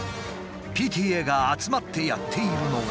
ＰＴＡが集まってやっているのが。